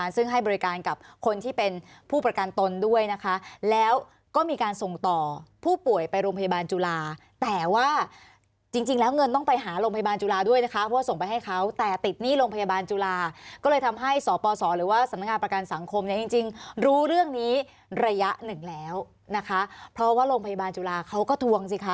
ซึ่งให้บริการกับคนที่เป็นผู้ประกันตนด้วยนะคะแล้วก็มีการส่งต่อผู้ป่วยไปโรงพยาบาลจุฬาแต่ว่าจริงแล้วเงินต้องไปหาโรงพยาบาลจุฬาด้วยนะคะเพราะว่าส่งไปให้เขาแต่ติดหนี้โรงพยาบาลจุฬาก็เลยทำให้สปสหรือว่าสำนักงานประกันสังคมเนี่ยจริงรู้เรื่องนี้ระยะหนึ่งแล้วนะคะเพราะว่าโรงพยาบาลจุฬาเขาก็ทวงสิคะ